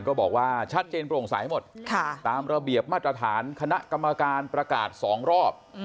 ก็บอกว่าชัดเจนโปร่งใสหมดตามระเบียบมาตรฐานคณะกรรมการประกาศ๒รอบ